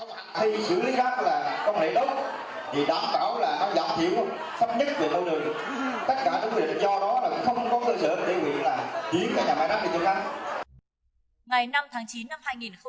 chắc là công nghệ đó thì đáng bảo là nó giảm thiếu sắp nhất về đâu được